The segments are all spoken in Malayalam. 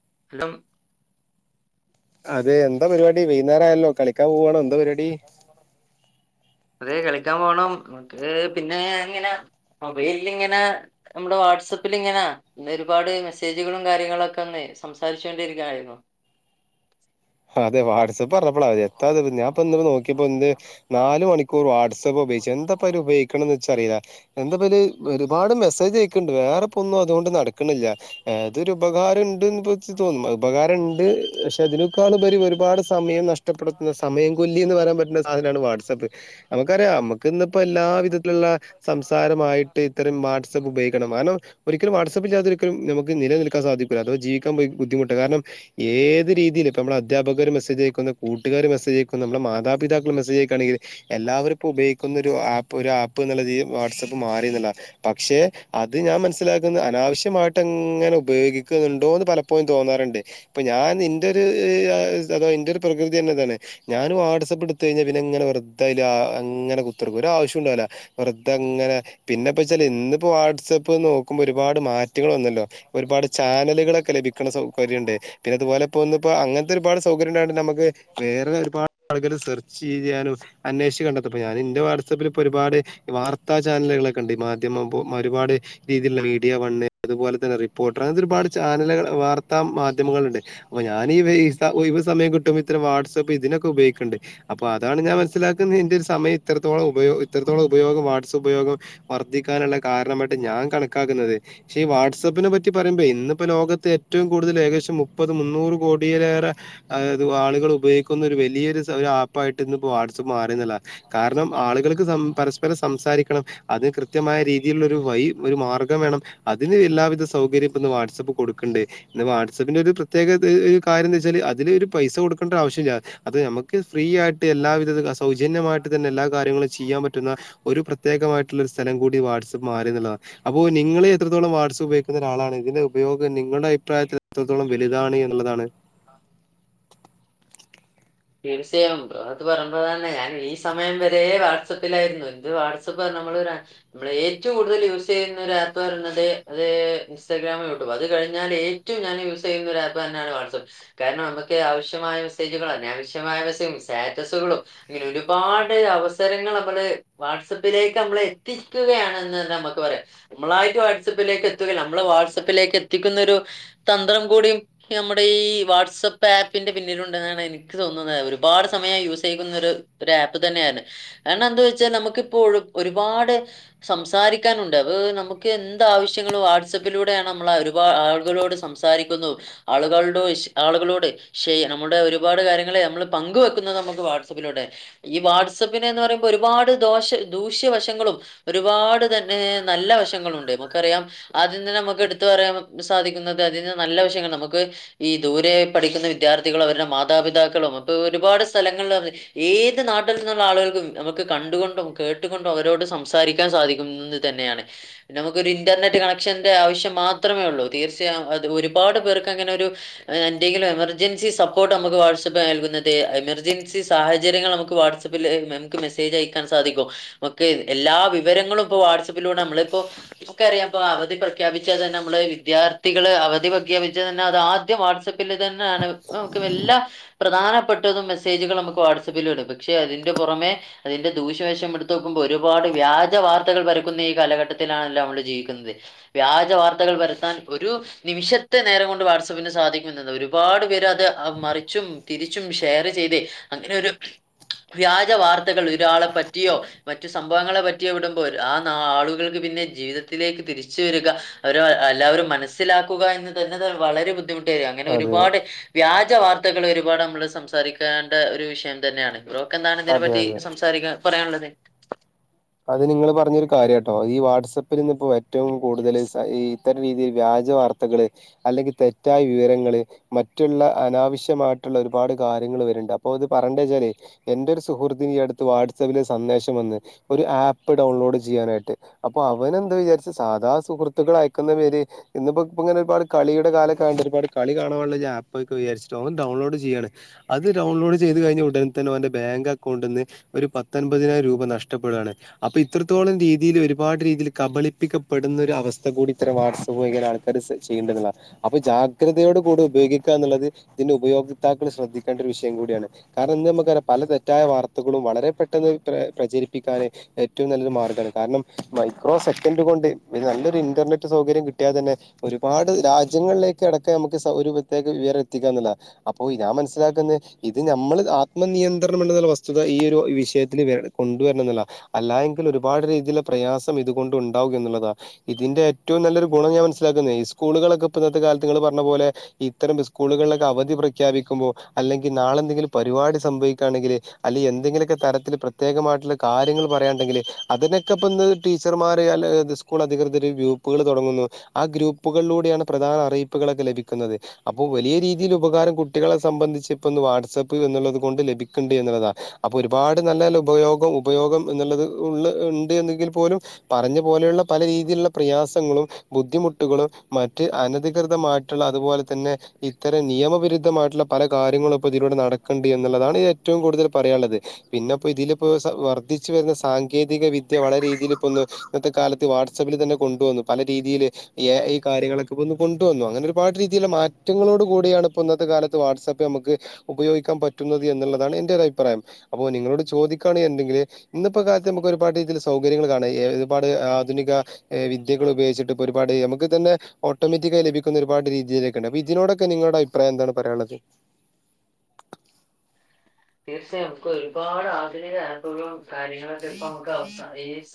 [unintelligible] അതെ എന്താ പരിപാടി വൈകുന്നേരം ആയല്ലോ കളിക്കാൻ പോവവാണോ എന്താ പരിപാടി അതേ കളിക്കാൻ പോണം നമുക്ക് പിന്നെ ഇങ്ങനെ മൊബൈലിൽ ഇങ്ങനെ നമ്മുടെ വാട്സപ്പിൽ ഇങ്ങനാ ഒരുപാട് മെസ്സേജുകളും കാര്യങ്ങളൊക്കെ ഒന്ന് സംസാരിച്ചൊണ്ടിരിക്കണായിരുന്നു അതെ വാട്സആപ്പ് പറഞ്ഞപ്പോളതി എത്താ നോക്കിയപ്പോ ഇ നാല് മണിക്കൂർ വാട്സആപ്പ് ഉപയോഗു എന്താപ്പും ഉപയോഗിക്ക [unintelligible] വെറ എന്താല് ഒരുപാട് മെസ്സേജ് ഉണ്ട് വേറെ പൊന്നും അതുകൊണ്ട് നടക്കണില്ല ഏതൊരു ഉപകാരം ഉണ്ട് തോന്നും ഉപകാരം ഉണ്ട് പക്ഷെ അതിന ക്കാളുപരി ഒരുപാട് സമയം നഷ്ടപ്പെടുത്തുന്ന സമയംകോല്ലി എന്ന് പറയാൻ പറ്റുന്ന സാധനമാണ് വാട്സആപ്പ് നമുക്കറിയാം നമുക്ക് ഇന്നിപ്പോ എല്ലാ വിധത്തിലുള്ള സംസാരമായിട്ട് ഇത്തരം വാട്സപ്പ് ഉപയോഗിക്ക [unintelligible] കാരണം ഒരിക്കലും വാട്സപ്പില്ലാതെ ഒരിക്കലും നമക്ക് നിലൽക്കാ സാധിക്കൂ അഥവാ ജീവിക്കാൻ ബുദ്ധിമുട്ട കാരണം ഏത് രീതിൽ ഇപ്പ നമ്മ അധ്യപകര് മെസജയക്കുന്നു കൂട്ടുകാര് മെസജ് അയക്കുന്നു നമ്മുടെ മാതാപിതാക്കൾ മെസേജ അക്കയാണെങ്ക എല്ലാവരും ഉപയോഗിക്കുന്ന ഒരു ആപ്പ് ആപ്പ് എന്നുള്ള രീതിയിൽ വാട്സആപ്പ് മാറിന്ന പക്ഷെ അത് ഞാൻ മനസ്സിലാക്കുന്ന അനാവശ്യമായിട്ട് എങ്ങനെ ഉപയോഗിക്കുന്നുണ്ടോ എന്ന് പലപ്പോഴും തോന്നാറുണ്ട് ഇപ്പൊ ഞാൻ നിന്റെ അ എന്റെറെ ഒരു പ്രകൃതി തന്നെതാണ് ഞാൻ വാട്സാപ്പ്പ്പെടുത്ത കഴിഞ്ഞാൽ പിന്നെങ്ങനെ വെറ അങ്ങനെ കുത്തർക്ക ഒരു ആവശ്യം ഉണ്ടല്ല വെർത്തെ അങ്ങനെ പിന്നെപ്പ വെച്ചാല് ഇന്നിപ്പോ വാട്സആപ്പ് നോക്കും ഒരുപാട് മാറ്റങ്ങൾ വന്നല്ലോ ഒരുപാട് ചാനലുകളൊക്കെ ലഭിക്കുന്ന സൗകര്യണ്ട് പിന്നെ അതുപോലെ ഇപ്പന്ന ഇപ്പോ അങ്ങനത്തെ ഒരുപാട് സൗകര്യം ഉണ്ടണ്ട് നമുക്ക് വേറെ ഒരുപാട് ആുകൾ സെർച്ച് ചെയ് ചെയ്യാനും അനേഷി കണ്ട ഞാൻന്റെ വാട്സആപ്പിൽ ഇപ്പോൊ ഒരുപാട് വാർാ ചാനലുകളൊക്കെ ഉണ്ട് മാധ്യമ ഒരുപാട് രീതി മീഡിയ വണ് അതുപോലെ തന്നെ റിപ്പോർട്ടർ അങ്ങനത്തെ ഒരുപാട് ചാനലുകൾ വാർത്താ മാധ്യമങ്ങളുണ്ട് ഓ ഞാന ഈ സമം കിുമ്പോ ഇം വാട്സ്ആപ്പ് ഇതിനൊക്കെ ഉപയോഗിക്കുന്നുണ്ട് അപ്പൊ അതാണ് ഞാൻ മനസിലാക്കുന്നത് എന്റെ ഒരു സമയം ഇത്രത്തോളം ഉപയോഗ ഇത്രത്തോളം ഉപയോഗം വാട്സപ്പ് ഉപയോഗം വർദ്ധിക്കാനുള്ള കാരണമായിട്ട് ഞാൻ കണക്കാക്കുന്നത് പക്ഷെ ഈ വാട്സപ്പിനെ പറ്റി പറയ്പോ ഇപ്പോ ലോകത്ത് ഏറ്റവും കൂടുതൽ ഏകദേശ മുന്നൂറ് കോടിയിലേറെ ആളുകൾ ഉപയോഗിക്കുന്ന വലിയ ആപ്പയിട്ട് ഇ വാട്പ്പ് മാറുന്ന കാരണം ആളുകൾക്ക് പരസ്പരം സംസാരിക്കണം അത് കൃത്യമായ രീതിയിലുള്ള ഒരു വഴ ഒരു മാർഗം വേണം അതിന് എല്ലാവിധ സൗകര്യവും ഇന്ന് വാട്സ്ആപ്പ് കൊടുക്കണ്ട് വാട്സ്ആപ്പിന്റെ ഒരു പ്രത്യേക ഒരു കാര്യം എന്താ വെച്ചാൽ അതില് ഒരു പൈസ കൊക്കേണ്ട ഒരു ആവശ്യമില്ലാ അത് നമുക്ക് ഫ്രീ ആയിട്ട് എല്ലാധ സൗജന്യമായിട്ട് തന്നെ എല്ലാ കാര്യങ്ങളും ചെയ്യാൻ പറ്റുന്ന ഒരു പ്രത്യേകമായിട്ടുള്ള ഒരു സ്ഥലം കൂടി വാട്സആപ്പ് മാറി അപ്പോൊ നിങ്ങൾ എത്രത്തോളം വാട്സആപ്പ് ഉപയിക്കുന്ന ഒരാളാണ് ഇതിന്റെ ഉപയോഗം നിങ്ങളുടെ അഭിപ്രായൽ എത്രത്തോളം വലുതാണ് എന്നുള്ളതാണ് തീർച്ചയായും അത് പറയുമ്പോ തന്നെ ഞാൻ ഈ സമയം വരെ വാട്സആപ്പിലായിരുന്നു ഇന്ത് വാട്സആപ്പ് നമ്മള് നമ്മ ഏറ്റവും കൂടുതൽ യൂസ് ചെയ്യുന്ന ആപ്പ് പറയുന്നത് അ ഇൻസ്റ്റാഗ്രാം അത് കഴിഞ്ഞ ഏറ്റവും ഞാൻ യൂസ് ചെയ്യുന്ന തം കാരണം നമുക്ക് ആവശ്യമായ മെസ്സേജുകള അനാവശ്യമായ മെസ സ്റ്റാറ്റസുകളും അ ഒരുപാട് അവസരങ്ങൾ നമ്മള് വാട്സപ്പിലേക്ക് നമ്മള് എത്തിക്കുകയാണെന്ന് നമുക്ക് പറ നമ്മളായിട്ട് വാട്സപ്പിലേക്ക് എത്തുക നമ്മൾ വാട്സപ്പിലേക്ക് എത്തിക്കുന്നൊ ഒരു തന്ത്രം കൂട നമ്മുടെ ഈ വാട്സആപ്പ് ആപ്പിന്റെ പിന്നിലുണ്ടെന്നാണ് എനിക്ക് തോന്നുന്നത് ഒരുപാട് സമയം യൂസ് ചെയ്യുന്നൊരു ഒരു ആപ്പ് തന്നെയാണ് കാരണം എന്താ വെച്ചാൽ നമുക്കിപ്പോ ഒരുപാട് സംസാരിക്കാനുണ്ട് അ നമുക്ക് എന്ത ആവശ്യങ്ങളും വാട്സപ്പിലൂടെയാണ് നമ്മള ഒരുപാട് ആളുകളോട് സംസാരിക്കുന്നു ആളുകളുടെ ആളുകളോട് ശ നമ്മുടെ ഒരുപാട് കാര്യങ്ങളെ നമ്മൾ പങ്കുവെക്കുന്നത് നമുക്ക് വാട്സപ്പിലൂടെ ഈ വാട്സപ്പിനെന്ന് പറയുമ്പോ ഒരുപാട് ദോഷ ദൂഷ്യവശങ്ങളും ഒരുപാട് തന്നെ നല്ല വശങ്ങളുണ്ട് നമുക്ക അറിയാം അതിന്ന് നമുക്ക് എടുത്തറയാൻ സാധിക്കുന്നത് അതിന് നല്ല വശങ്ങൾ നമുക്ക് ഈ ദൂരെ പഠിക്കുന്ന വിദ്യാർത്ഥികളും അവരുടെ മാതാപിതാക്കളും അപ്പൊ ഒരുപാട് സ്ഥലങ്ങള ഏത് നാട്ടിൽ നിന്നുള്ള ആളുകൾക്കും നമുക്ക് കണ്ടുകൊണ്ടും കേട്ടുകൊണ്ടും അവരോട് സംസാരിക്കാൻ സാധിക്കുംുന്നത് തന്നെയാണ് നമുക്കരു ഇന്റർനെറ്റ് കണക്ഷന്റെ ആവശ്യം മാത്രമേ ഉള്ളൂ തീർച്ചയായും ഒരുപാട് പേർക്ക് അെ എന്തെങ്കിലും എമർജൻസി സപ്പോർട്ട് നുക്ക് വാട്സആപ്പ് നൽകുന്നത് എമർജൻസി സാഹര്യ പ്പ മെസേജ് അയക്കാൻ സാധിക്കും എല്ലാ വിവരങ്ങളും നമ്മളിപ്പോ നമക്കറിയാം ഇ അവധി പ്രഖ്യപിച്ചാൽ തന്നെ നമ്മള് വിദ്യാർത്ഥികള് അവധി വകിയ ആദ്യം വാട്സആപ്പിൽ തന്നെയു എല്ലാ പ്രധാനപ്പെട്ടതും മെസ്സേജുകളും നു ാപ്പില പക്ഷെ അതിന്റെ പുറമെ അതിന്റെ ദൂഷ്യവേഷം എടു്പോ ഒരുപാ വ്യാജ വാർത്തകൾര ഈ കാലഘട്ടത്തിലാണല്ലോ നമ്മള് ജീവിക്കുന്നത് വ്യാജ വാർത്തകൾ വരുത്താൻ ഒരു നിമിഷ ഒ നേരം കൊണ്ട് വാട്സആപ്പിന് സാധിക്കുംണ്ട് ഒരുപാട് പേര് അത് മറിച്ചുംതിരിച്ചും ഷേർ ചെയ്തേ അങ്ങനെൊരു വ്യാജ വാർത്തകൾ ഒരാളെ പറ്റിയോ മറ്റു സംഭവങ്ങളെ പറ്റിയോ വിടുമ്പോൾ ആ ആളുകൾക്ക് പിന്നെ ജീവിതത്തിലേക്ക് തിരിച്ച വരിക അവ എല്ലാവരും മനസ്സിലാക്കുക എന്ന് തന്നെ വളരെ ബുദ്ധിമുട്ട് വരും അങ്ങനെ അതെ ഒരുപാട് വ്യാജ വാർത്തകൾ ഒരുപാട് നമ്മള് സംസാരിക്കേണ്ട ഒരു വിഷയം തന്നെയാണ് ഇ്രൊക്കെ എന്താണ് ഇതിനെ അതെ പറ്റി അതെ സംസാരിക്ക പറയാനുള്ളത് അത് നിങ്ങള്ൾ പറഞ്ഞൊരു കാര്യം കേട്ടോ ഈ വാട്സആപ്പിൽ നിന്ന് ഇപ്പോ ഏറ്റവും കൂടുതൽ ഇത്തര രീതിൽ വ്യ വാർത്തക അല്ലെങ്കിൽ തെറ്റായ വിവരങ്ങ മറ്റുള്ള അനാവശ്യമായിട്ടുള്ള ഒരുപാട് കാര്യ കാര്യങ്ങ വണ്ട് അപ്പൊ അത് പറഞ്ഞണ്ടെച്ചാലേ എന്റെ ഒരു സുഹൃത്തിന് ഈ അടുത്ത് വാട്സആപ്പിലെ സന്തേവന്ന് ഒരു ആപ്പ് ഡൗൺലോഡ് ചെയ്യാനായിട്ട് അപ്പൊ അവന എന്താ വിചാരിച്ച് സാധാ സുഹൃത്തുക്കൾ അയക്കുന്ന പേര് ഇന്നപ്പോ ഇ ഇങ്ങനെ ഒരുപാ കളിയുടെ കാലൊ കണ്ട് ഒരുപാ കളി കാണാനുള്ള ആപ്പൊക്കെ വിചാരിച്ചിട്ടോ അും ഡൗൺലോഡ് ചെയ്യയാണ് അത് ഡൗൺലോഡ് ചെയ്ത് കഴിഞ്ഞ ഉടനെ തന്നെ അവന്റെ ബാങ്ക് അക്കൗണ്ടിൽ നിന്ന് ഒരു പത്തൊൻപതിനായിരം രൂപ നഷ്ടം ഇഷ്ടപ്പെടുകയാണ് അപ്പൊ ഇത്രത്തോളം രീതിയിൽ ഒരുപാട് രീതിയിൽ കബളിപ്പിക്കപ്പെടുന്നൊ ഒരു അവസ്ഥ കൂടി ഇ വ ന ആൾക്കാ ചെയ്യേണ്ട അപ്പൊ ജാഗ്രതയോട് കൂടെ ഉപയോഗിക്കുക എന്നുള്ളത് ഇതിന്റെ ഉപയോക്താക്കൾ ശ്രദ്ധിക്കേണ്ട ഒരു വിഷയം കൂടിയാണ് കാരണം എന്ത ന പല തെറ്റായ വാർത്തളും വളരെ പെട്ടെന്ന് പ്രചരിപ്പ ിക്കൻ ഏറ്റവും നല്ലരു മാർഗ്ഗമാണ് കാരണം മൈക്രോ സെക്കൻഡ് കൊണ്ട് നല്ലൊരു ഇന്റർനെറ്റ് സൗകര്യം കി കട്ടിയെ തന്നെ ഒരുപാട് രാജ്യങ്ങളിലേക്ക് ഇടക്ക നമുക്ക് സൗരൂപേക്ക് വിവരം എത്തിക്കാന്നത അപ്പോ മനസിലാക്കുന്നത് ഇത് നമ്മൾ ആത്മനിയന്ത്രണംണ്ടുള്ള വസ്തുത ഈ ഒരു വിഷയത്തിൽ കൊ അല്ല എങ്കിൽ ഒരുപാട് രീതിയിലൽ പ്രയാസം ഇതുകൊണ്ട് ഉണ്ടാവകും എന്നുള്ളതാണ് ഇതിന്റെ ഏറ്റവും നല്ല ഗണം ഞാൻ മനസ്സിലാക്കുന്നഈ സ്കൂളുകളൊക്കെ ഇന്നത്തെ കാലത്ത് നിങ്ങള് പറഞ്ഞ പോലെ ഇത്തരം സ്കളുകളൊക്കെ അവധി പ്രഖ്യാപിക്ക അല്ലെങ്കിൽ നാളെന്തെങ്കിലും പരിപാടി സംഭവിക്കുകയാണെങ്കിൽ അല്ലെങ്ക എന്തെങ്കിലുമൊക്കെ തരത്തിൽ പ്രത്യേകമായിട്ടുള്ള കാര്യങ്ങൾ പറയുണ്ടെങ്കിൽ അതിനൊക്കെ ഇപ്പം ഇന്ന് ടീച്ചർമാർ സ്കൂൾ അധികൃതർ ഗ്രൂപ്പുകൾ തുടങ്ങുന്നു ആ ഗ്രൂപ്പുകളിലൂടെയാണ് പ്രധാന അറിയിപ്പുകളൊക്കെ ലഭിക്കുന്നത് അപ്പോ വലിയ രീതിയിൽ ഉപകാരം കുട്ടികളെ സംബന്ധിച്ച് ഇപ്പൊ വാട്സആപ്പ് എന്നുള്ളത് കൊണ്ട് ലഭിക്ക്ണ്ട് എന്നുള്ളതാണ് അപ്പൊ ഒരുപാട് നല്ല നല്ല ഉപയോഗം ഉപയോഗം എന്നുള്ളത് ഉള്ള ഉണ്ട് എന്നെങ്കിൽ പോലും പറഞ്ഞ പോലെയുള്ള പല രീതിയിലുള്ള പ്രയാസങ്ങളും ബുദ്ധിമുട്ടുകളും മറ്റ് അനധികൃതമായിട്ടുള്ള അതുപോലെ തന്നെ ഇത്തരം നിയമവിരുദ്ധമായിട്ടുള്ള പല കാര്യങ്ങളും ഇപ്പോ ഇതിലൂടെ നടക്കണ്ട് എന്നുള്ളതാണ് ഇത് ഏറ്റവും കൂടുതൽ പറയാനുള്ളത് പിന്നെപ്പോ തിലപ്പോ വരുന്ന സാങ്കേതിക വിദ്യ വളരെ രീതിയിൽ ഇപ്പൊന്ന് ഇന്നത്തെ കാലത്ത് വാട്സആപ്പിൽ തന്നെ കൊണ്ടുവന്നു പല രീതിയിയില് എ ഐ കാര്യങ്ങളൊക്കെ ഇന്ന് കൊണ്ടുവന്നു അങ്ങനെ ഒരുപാട് രീതിയിലുള്ള മാറ്റങ്ങളോട് കൂടിയാണ് ഇപ്പോ ഇന്നത്തെ കാലത്ത് വാട്സആപ്പ് നമക്ക് ഉപയോഗിക്കാൻ പറ്റുന്നത് എന്നുള്ളതാണ് എന്റെ ഒരു അഭിപ്രായം അപ്പൊ നിങ്ങളോട് ചോദിക്ക എന്തെങ്കില് ഇന്നിപ്പോ കാലത്ത് നമുക്ക് ഒരുപാട് രീതിൽ സൗകര്യങ്ങൾ കാണാം ഒരുപാട് ആധുനിക വിദ്യകൾ ഉപയോഗിച്ചിട്ട് ഒരുപാട് നമുക്ക് തന്നെ ഓട്ടോമാറ്റിക്കായി ലഭിക്കുന്ന ഒരുപാട് രീതിയിലേക്ക ഉണ്ട് അപ്പൊ ഇതിനോടൊക്കെ നിങ്ങളുടെ അഭിപ്രായം എന്താണ് പറയാനുള്ളത് [inaudible] തീർച്ചയായും നമുക്ക് ഒരുപാട് ആധുനിക ആപ്പുകളും കാര്യങ്ങളക്കെ ഇപ്പം നമുക്ക് അവ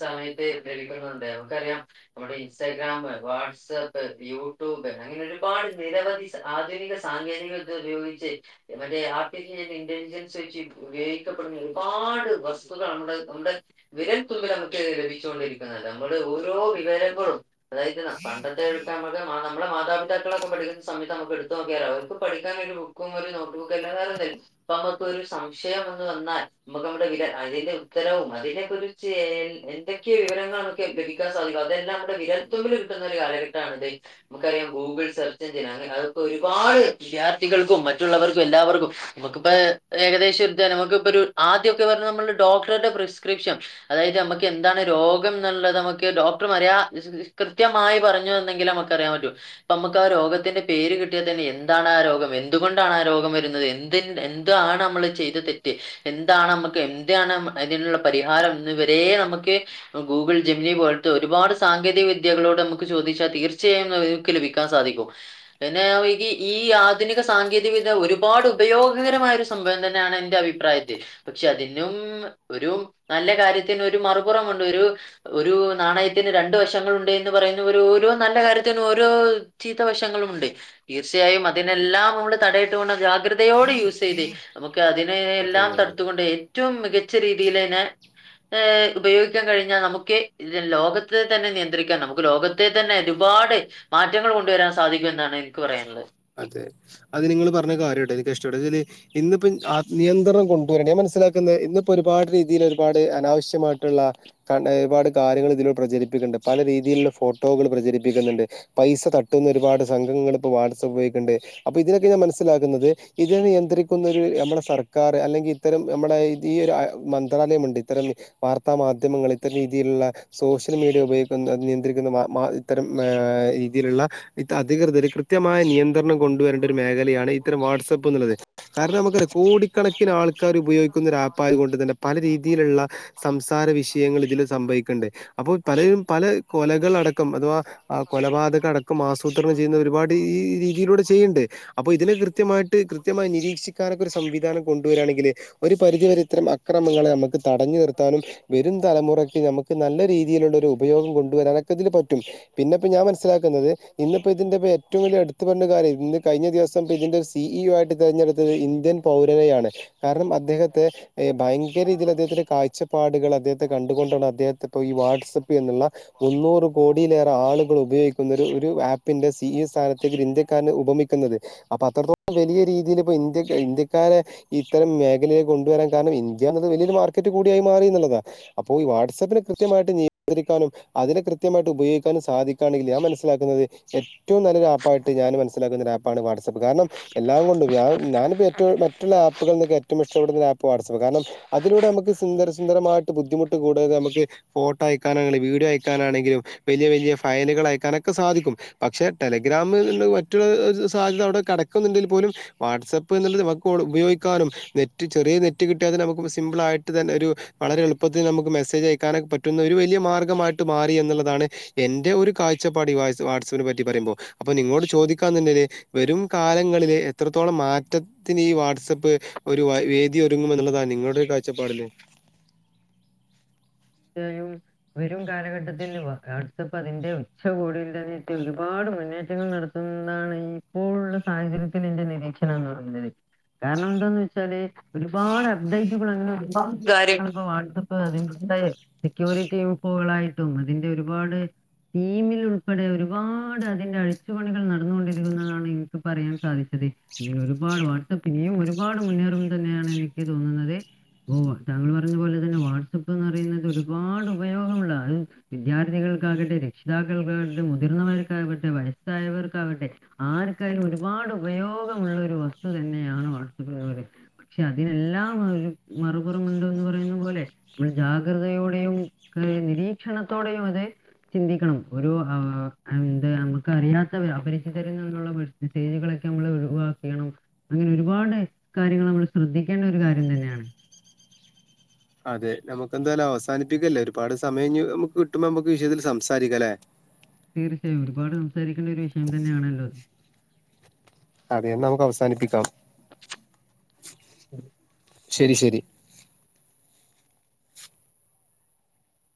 സമയത്ത് ലഭിക്കുന്നുണ്ട് നമുക്കറിയാം നമ്മുടെ ഇൻസ്റ്റാഗ്രാം വാട്സ്ആപ്പ് യൂട്യൂബ് അങ്ങനെ ഒരുപാട് നിരവധി ആധുനിക സാങ്കേതികൾ ഉപയോഗിച്ച് മറ്റേ ആ ഇന്റലിജൻ അനുസരിച് ഉപയോഗിക്കപ്പെടുന്ന ഒരുപാട് വസ്തുക്കൾ നമ്മുടെ നമ്മുടെ വിരൽ തുമ്പിൽ നമുക്ക് ലഭിച്ചു കൊണ്ടിരിക്കുന്നത് ഓരോ വിവരങ്ങളും അതായത് പണ്ടത്തെ എക്കാ ന നമ്മളെ മാതാപിതാക്കള പഠിക്കുന്ന സയത്ത് നമുക്ക് എടുത്തു നോക്കിയാൽ അവർക്കും പഠിക്ക ഒരു ബുക്കും ഒരു നോട്ട് ബുക്കും അല്ലാദേ വേറെ എന്ധെലും ഒരു സംശയം വന്നാൽ നമുക്ക് നമ്മുടെ അതിന്റെ ഉത്തരവും അതിനെകുറിച്ച് എന്ധോ ക്കെ വിവരങ്ങൾ നമുക്ക് ലഭിക്കാൻ സാദിക്കും അതല്ലാം നമ്മുടെ വിരൽത്തുമ്പിൽ കിട്ടുന്ന ഒരു കാലഘട്ടമാണല്ലെ നമുക്കറിയാം അതൊക്കെ ഒരുപാട് വിദ്യാർത്ഥികൾക്കും മറ്റുള്ളവർക്കും എല്ലാവർക്കും നമുക്കിപ്പ ഏകദേശം എടുത്താൽ നമുക്ക് ഇ ഒരു ആദ്യമൊക്കെ പറഞ്ഞു നമ്മുടെ ഡോക്ടറുടെ പ്രിസ്ക്രിപ്ഷൻ അതായത് നമുക്ക് എന്താണ് രോഗം എന്നുള്ളത് നമുക്ക് ഡോക്ടർ അറിയ കൃത്യമായി പറഞ്ഞുന്നെങ്കിൽ നമുക്ക് അറിയാൻ പറ്റോള്ളു നമുക്ക് ആ രോഗത്തിന്റെ പേര് കിട്ടിയാൽ തന്നെ എന്താണ് ആ രോഗം എന്തുകൊണ്ടാണ് ആ രോഗം വരുന്നത് എന്തിന്റെ എതാണ് നമ്മള് ചെയ്ത തെറ്റ് എന്താണ് നമ്മുക്ക് എന്താണ് അതിനുള്ള പരിഹാരന്ന്വരെ നമുക്ക് ഗൂഗിൾ ജിമെനി പോലത്തെ ഒരുപാട് സാങ്കേതിക വിദ്യകളോട് നമുക്ക് ചോദിച്ചാൽ തീർച്ചയായുംഅവർക്ക് ലഭിക്ക ൻ സാധിക്കും പിന്നെ ഈ ആധുനിക സാങ്കേതിക വിദ്യ ഒരുപാട് ഉപയോഗകരമായി സംഭവം തന്നെയാണ് എന്റെ അഭിപ്രായത്തിൽ പക്ഷെ അതിനും ഒരു നല്ല കാര്യത്തിന് ഒരു മറുപുറം ഒരു ഒരു നാണയത്തിന് രണ്ട് വശങ്ങള ണ്ട് എന്ന് പറയുന്ന ഓരോ നല്ല കാര്യത്തിനും ഓരോ ചീത്ത വശങ്ങളും ഉണ്ട് തീർച്ചയായും അതിനെല്ലാം നമ്മള് തടയിട്ടകൊണ്ട് ജാഗ്രതയോട് യൂസ് ചെയ് നമുക്ക് അതിനെ ആ എല്ലാം തടുത്തുകൊണ്ട് ഏറ്റവും മികച്ച രീതിൽെ ഹ ഉപയോഗിക്കാൻ കഴിഞ്ഞാൽ നമുക്ക് ലോകത്തെ തന്നെ നിയന്ത്രിക്കാൻ നമുക്ക് ലോകത്തെ തന്നെ രൂപ ഒരുപാട് മാറ്റങ്ങൾ കൊണ്ടുവരാൻ സാധിക്കും എന്നാണ് എനിക്ക് പറയാനുള്ളത് കര്യം എനിക്ക് ഇഷ്ടപ്പെട്ടെ ഇന്നിപ്പം നിയന്ത്രണം കൊണ്ടുവരണേ ഞാൻ മനസിലാക്കുന്നത് ഇന്ന് ഇപ്പോ ഒരുപാട് രീതിയിൽ ഒരുപാട് അനാവശ്യമായിട്ടുള്ള ഒരുപാട് കാര്യങ്ങൾ ഇതിലൂടെ പ്രചരിപ്പിക്ക്ണ്ട് പല രീതിയിലുള്ള ഫോട്ടോകൾ പ്രചരിപ്പിക്കുന്നുണ്ട് പൈസ തട്ടുന്ന ഒരുപാട് സംഘങ്ങൾ ഇപ്പോ വാട്സ്ആപ്പ് വേ ണ്ട് അപ്പൊ ഇതിനൊക്കെ ഞാൻ മനസ്സിലാക്കുന്നത് ഇതിനെ നിയന്ത്രിക്കുന്ന ഒരു നമ്മുടെ സർക്കാർ അല്ലെങ്കിൽ ഇത്തരം നമ്മുടെ ഈ ഒരു മന്ത്രാലയമുണ്ട് ഇത്തരം വാർത്താ മാധ്യമങ്ങൾ ഇത്തരം രീതിയിലുള്ള സോഷ്യൽ മീഡിയ ഉപ നിയന്ത്രിക്കുന്ന ഇത്തരം രീതിയിലുള്ള അധികൃതർ കൃത്യമായ നിയന്ത്രണ വരേണ്ട ഒരു മേഖലയാണ് ഇത്തരം വാട്സ്ആപ്പ് എന്നുള്ളത് കാരണം നമുക്ക കോടിക്കണക്കിന് ആൾക്കാർ ഉപയോഗിക്കുന്ന ഒരു ആപ്പ് പ്പായൊത് കൊണ്ട് തന്നെ പല രീതിയിലുള്ള സംസാര വിഷയങ്ങൾ ഇതിൽ സംഭവിക്കണ്ട് അപ്പോ പലരും പല കൊലകളടക്കം അഥവാ കൊലപാതക അടക്കം ആസൂത്രണം ചെയ്യുന്ന ഒരുപാട് ഈ രീതി അപ്പൊ ഇതിനെ കൃത്യമായിട്ട് കൃത്യമായി നിരീക്ഷിക്കാനൊക്കെ ഒരു സംവിധാനം കൊണ്ടുവരാണെങ്കിൽ ഒരു പരിധി വരെ ഇത്ര അക്രമങ്ങളെ അമക്ക് തടഞ്ഞു നിർത്താനും വേരും തലമുറക്ക് നമുക്ക് നല്ല രീതിലുള്ളൊരു ഉപയോഗം കൊണ്ടുവര നിനക്കത്തില് പറ്റും പിന്നെപ്പോ ഞാൻ മനസ്സിലാക്കുന്നത് ഇന്നിപ്പോ ഇതിന്റെ ഏറ്റവും വലിയ എടുത്തു പറഞ്ഞ കാര്യം ഇന്ന് കഴി ഞ്ഞാ ദിവസം ഇതിന്റെ സി ഇ ഒ ആയിട്ട് തെരഞ്ഞെടുത്തത് ഇന്ത്യൻ പൗരനെയാണ് കാരണം അദ്ദേഹത്തെ ഏഹ് ഭ ഭയ്ങ്കര രീതില് അദ്ദേഹത്തിന്റെ കാഴ്ചപ്പാടുകള് അദ്ദേഹത്തെ കണ്ടുകൊണ്ടാണ് അദ്ദേഹത്തെ ഈ വാട്സ്ആപ്പ് എന്നുള്ള മൂ ന്നൂറ് കോടിലേറെ ആളുകളു ഉപയോഗിക്കുന്നൊരു ഒരു ആപ്പിന്റെ സി ഇ സ്ഥാനത്തേക്ക് ഇന്ത്യക്കാരനെ ഉപമിക്കുന്നത് അപ്പോ അത്രത്തോളം വലിയ രീതില് ഇപ്പോ ഇന്ത്യ ഇന്ത്യക്കാരെ ഇത്തരം മേഖ ലെ കൊണ്ടുവരാൻ കാരണം ഇന്ത്യന്നത് വലിയൊരു മാർക്കറ്റ് കൂടെയായി മാറിന്ന്ള്ളതാ അപ്പോ ഈ വാട്സ്ആപ്പിന് കൃത്യമായിട്ട് [unintelligible] ക്കാനും അതിനെ കൃത്യമായിട്ട് ഉപയോഗിക്കാനും സാധിക്കണെങ്കില് ഞാൻ മനസ്സിലാക്കുന്നത് ഏറ്റവും നല്ലൊരു ആ പ്പായിട്ട് ഞാൻ മനസ്സിലാക്കുന്നൊരു ആപ്പാണ് വാട്സആപ്പ് കാരണം എല്ലാം കൊണ്ടും വ്യ ഞാനിപ്പോ ഏറ്റോം മറ്റുള്ള ആപ്പുകൾനെക്കെ റ്റവും ഇഷ്ടപ്പെടുന്ന ഒര് ആപ്പ് വാട്സെപ്പ് കാരണം അതിലൂടെ നമ്മെക്ക് സുന്ദര സുന്ദമായിട്ട് ബുദ്ധിമുട്ട് കൂടാതെ നമ്മെക്ക് ഫോട്ടോ അയക്കാനെണെ വീഡിയോ അയക്കാനാണെങ്കിലും വെല്ലിയ വെല്ലിയ ഫയലുകൾ അയക്കാനൊക്കെ സാധിക്കും പക്ഷെ ടെല ഗ്രാമ്ന്ന്ണ്ട് മറ്റ്ള്ളൊര് സാധ്യത അയുടെ കടക്കുന്നുണ്ടെങ്കി പോലും വാട്സ്ആപ്പ് എന്ന് ഇള്ളെത് [unintelligible] ഉപയോഗിക്കാനും നെറ്റ് ചെറിയ നെറ്റ് കിട്ടിയാതെന്നെ നമുക്ക് സിമ്പിൾ ആയിട്ട് തെന്നെ ഒരു വളരെ എളുപ്പത്തിൽ നമുക്ക് മെസ്സേജ് അയക്കാനൊക്കെ പറ്റുന്ന ഒരു വെല്ലിയ മാർഗമായിട്ട് മാറി എന്നുള്ളതാണ് എൻ്റെ ഒരു കാഴ്ചപ്പാട് ഈ വായ്സ് വാട്സെപ്പിനെ പറ്റി പറിമ്പോ അപ്പ നിങ്ങളോട് ചോദിക്കാൻ നിന്നെത് വെരും കാലങ്ങളിൽ എത്രത്തോളം മാറ്റത്തിന് ഈ വാട്സെപ്പ് ഒര് വായി വേദി ഒരുങ്ങും എന്നുള്ളെതാ നിങ്ങളുടെ ഒരു കാഴ്ചപ്പാടിൽ ച്ചയായും വെരും കാലഘട്ടത്തിൽ വാട് സെപ്പ് അതിന്റെ ഉച്ച കൊടിയിലെന്നെ എത്തി ഒര്പാട് മുന്നേറ്റങ്ങൾ നടത്തുന്നാണ് ഇപ്പോഴുള്ള സാഹചര്യ ഇത്തെരത്തിൽ ഇതിന്റെ നിരീക്ഷെണം എന്ന് പറഞ്ഞെതിലെയ് കാരണം എന്താന്ന് വെച്ചാല് ഒരുപാട് അപ്ഡൈറ്റുകൾ അങ്ങനെ ഒരുപാട് കാര്യങ്ങെൾ ഇപ്പ വാട്സെപ്പ് [unintelligible] സെക്യൂരിറ്റി [unintelligible] കളായിട്ടും അതിറെ ഒരുപാട് തീമിൽ ഉൾപ്പെടെ ഒരുപാട് അതിന്റെ അഴിച്ചുപണികൾ നടന്നുകൊണ്ടിരിക്കുന്നതാണ് ഇൻക്ക് പറയാൻ സാധിച്ചെത് അതെ അങ്ങനെ ഒരുപാട് വാട്സെപ്പ് ഇനിയും ഒരുപാട് മുന്നേറും തന്നെയാണ് എനിക്ക് തോന്ന്ന്നെത് ഓ താങ്കെൾ പറയുന്നെത് പോലെ തെന്നെ വാട്സെപ്പ് എന്ന് പറയുന്നെത് ഇത് ഒരുപാട് ഉപയോഗമുള്ളെതാ അയ് വിദ്യാർത്ഥികൾക്കാകെട്ടെ രക്ഷിതാക്കൾക്കാകെട്ടെ മുതിർന്നവർക്കാ ട്ടെ വയസ്സായവെർക്കാകെട്ടെ ആർക്കായാലും ഒരുപാട് ഉപയോഗമുള്ള ഒരു വസ്തു തെന്നെയാണ് വാട്സെപ്പ് [unintelligible] പക്ഷെ അതിനെല്ലാം ഒരു മറുപുറം ഉണ്ട്ന്ന് പറയുന്ന പോലെ നമ്മെൾ ജാഗ് ഗ്ര്യതയോടെയും ക്കെ നിരീക്ഷണത്തോടെയും അതെ ചിന്തിക്കെണം ഒരു ഏഹ് എന്ത് നമുക്ക് അറിയാത്ത വെര് അപരിചിതരിൽ നിന്നുള്ള മെസേജുകളെ ക്കെ നമ്മെൾ ഒഴിവാക്കെണം അങ്ങനെ ഒരുപാട് കാര്യങ്ങൾ നമ്മെൾ ശ്രദ്ധിക്കേണ്ട ഒര് കാര്യം തെന്നെയാണ് അതെ നമുക്ക് എന്തായാലും അവസാനിപ്പിക്ക അല്ലെ ഒരുപാട് സമയം ഇഞ്ഞ് നമുക്ക് കിട്ടുമ്പോ നമുക്ക് വിഷയത്തിൽ സംസാരിക്കാലെ തീർച്ചയായും ഒരുപാട് സംസാരിക്കേണ്ട ഒരു വിഷയം തന്നെയാണല്ലോ അത് അതെ നമുക്ക് അവസാനിപ്പിക്കാം ഉം ശരി ശരി